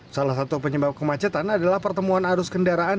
salah satu penyebab kemacetan adalah pertemuan arus kendaraan